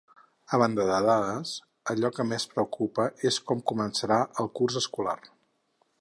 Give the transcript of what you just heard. A banda les dades, allò que més preocupa és com començarà el curs escolar.